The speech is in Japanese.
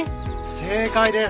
正解です。